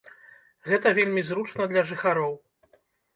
Гэта вельмі зручна для жыхароў.